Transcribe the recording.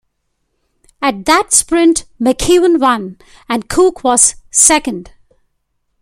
At that sprint McEwen won and Cooke was second.